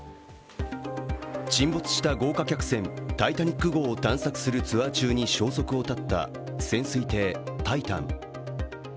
沈没した豪華客船「タイタニック」号を探索するツアー中に消息を絶った潜水艇「タイタン」。